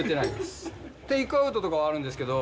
テイクアウトとかはあるんですけど。